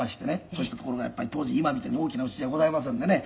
「そうしてところがやっぱり当時今みたいに大きな家じゃございませんでね。